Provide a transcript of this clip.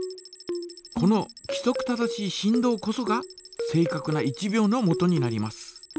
このきそく正しい振動こそが正かくな１秒のもとになります。